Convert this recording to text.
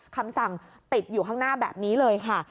คำสั่งติดอยู่ข้างหน้าแบบนี้เลยค่ะ